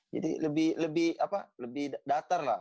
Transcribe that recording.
jadi lebih datar lah